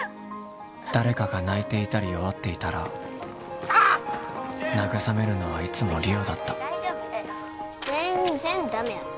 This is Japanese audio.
誰かが泣いていたり弱っていたらなぐさめるのはいつも梨央だった全然ダメやった